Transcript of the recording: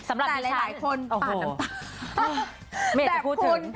สำหรับดิฉันโอ้โหไม่เอาจริงจะพูดถึง